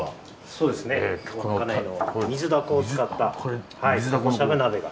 そうですね稚内のミズダコを使ったタコしゃぶ鍋が。